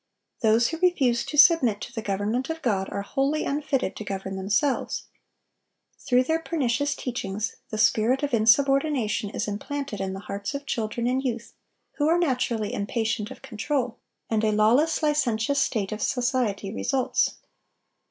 Those who refuse to submit to the government of God are wholly unfitted to govern themselves. Through their pernicious teachings, the spirit of insubordination is implanted in the hearts of children and youth, who are naturally impatient of control; and a lawless, licentious state of society results.